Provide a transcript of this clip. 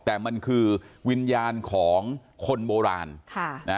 แต่มันคือวิญญาณของคนโบราณค่ะนะ